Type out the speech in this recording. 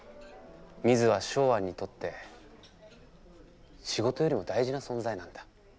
ミズはショウアンにとって仕事よりも大事な存在なんだ。